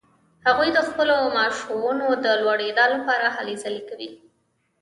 هغوی د خپلو معاشونو د لوړیدا لپاره هلې ځلې کوي.